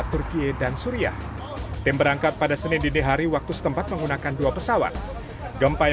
turkiye dan suriah tim berangkat pada senin dinihari waktu setempat menggunakan dua pesawat gempa yang